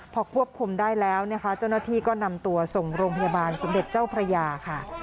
พอควบคุมได้แล้วจนที่ก็นำตัวส่งโรงพยาบาลเสด็จเจ้าพระยาค่ะ